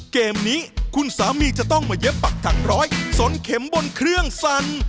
เกมนี้คุณสามีจะต้องมาเย็บปักถังร้อยสนเข็มบนเครื่องสั่น